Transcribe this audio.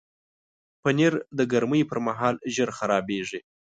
پنېر د ګرمۍ پر مهال ژر خرابیږي.